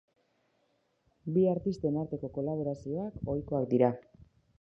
Bi artisten arteko kolaborazioak ohikoak dira.